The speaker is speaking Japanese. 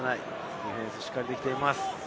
ディフェンスが、しっかりできてます。